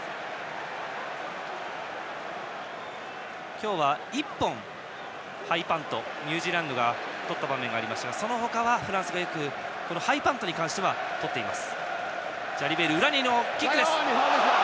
今日は１本、ハイパントニュージーランドがとった場面がありましたがそのほかはフランスがハイパントに関してはとっています。